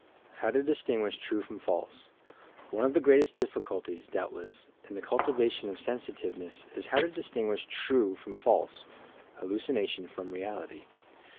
HOW TO DISTINCUTSH TRUE FROM FALSE One of the greatest difBeuIties, doubtless, in the cul tivation of sensitiveness, is how to distinguish true from false — hallucination from reality.